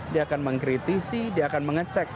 dia akan mengkritisi dia akan mengecek